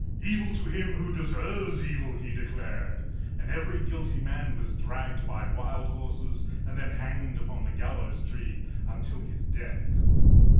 " Evil to him who deserves evil," he declared ; and every guilty man was dragged by wild horses and then hanged upon the gallows tree until his death.